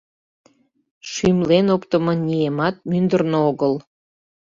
Шӱмлен оптымо ниемат мӱндырнӧ огыл.